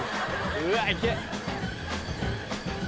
うわいけ！